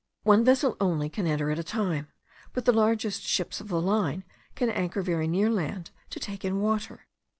One vessel only can enter at a time; but the largest ships of the line can anchor very near land to take in water.